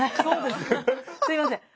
すいません。